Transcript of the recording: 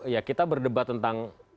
ya kita berdebat tentang